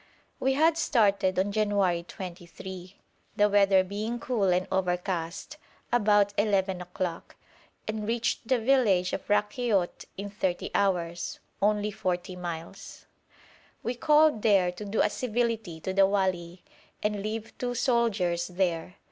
We had started on January 23, the weather being cool and overcast, about 11 o'clock, and reached the village of Rakhiout in thirty hours only forty miles. We called there to do a civility to the wali, and leave two soldiers there.